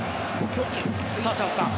チャンスだ。